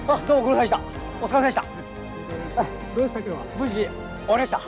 無事終わりました。